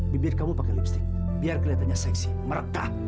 bibir kamu pakai lipstick biar kelihatannya seksi mereka